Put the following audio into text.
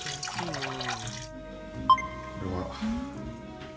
これは？